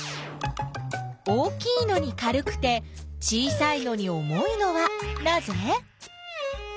大きいのに軽くて小さいのに重いのはなぜ？